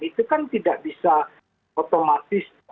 itu kan tidak bisa otomatis